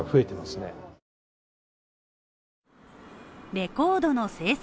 レコードの生産